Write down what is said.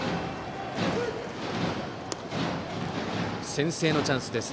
先制のチャンスです。